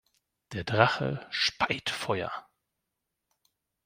Der Drache speit Feuer.